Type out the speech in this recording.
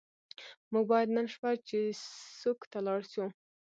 موږ باید نن شپه چیسوک ته لاړ شو.